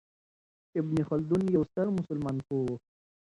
ابن خلدون یو ستر مسلمان پوه و.